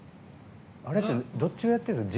あれってどっちがやってるんですか。